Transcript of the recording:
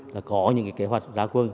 là có những cái kế hoạch ra quân